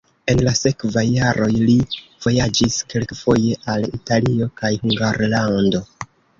En la sekvaj jaroj li vojaĝis kelkfoje al Italio kaj Hungarlando.